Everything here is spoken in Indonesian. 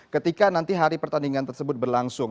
ketika nanti hari pertandingan tersebut berlangsung